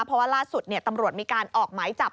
เพราะว่าล่าสุดตำรวจมีการออกหมายจับ